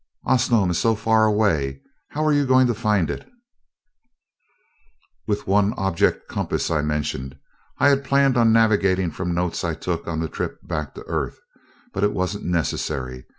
"Osnome is so far away how are you going to find it?" "With one of the object compasses I mentioned. I had planned on navigating from notes I took on the trip back to the Earth, but it wasn't necessary.